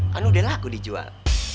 kan udah laku dijual